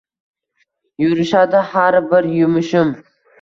Yurishadi xar bir yumushim